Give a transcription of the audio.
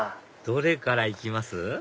どれからいきます？